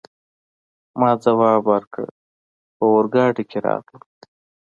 ما ځواب ورکړ: په اورګاډي کي راغلم.